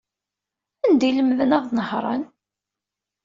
Anda ay lemden ad nehṛen?